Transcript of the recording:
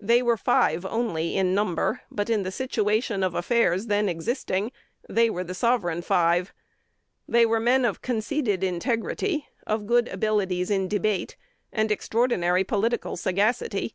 They were five only in number; but in the situation of affairs then existing they were the sovereign five. They were men of conceded integrity, of good abilities in debate, and extraordinary political sagacity.